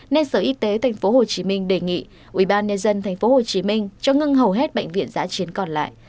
nên sở y tế tp hcm đề nghị ubnd tp hcm cho ngưng hầu hết bệnh viện giã chiến còn lại